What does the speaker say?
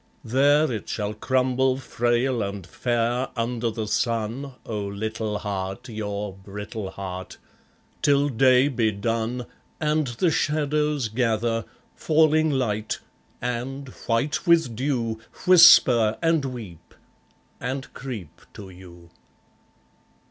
There it shall crumble, frail and fair, under the sun, O little heart, your brittle heart; till day be done, And the shadows gather, falling light, and, white with dew, Whisper, and weep; and creep to you.